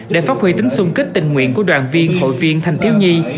để phát huy tính sung kích tình nguyện của đoàn viên hội viên thanh thiếu nhi